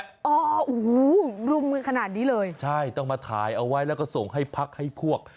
โอ้โหรุมมือขนาดนี้เลยใช่ต้องมาถ่ายเอาไว้แล้วก็ส่งให้พักให้พวก